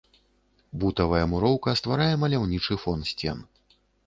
Бутавая муроўка стварае маляўнічы фон сцен.